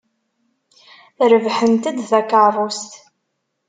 Rebḥent-d takeṛṛust.